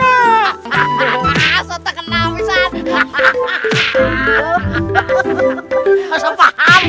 aku tidak tahu wissan